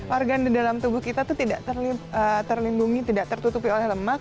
organ di dalam tubuh kita itu tidak terlindungi tidak tertutupi oleh lemak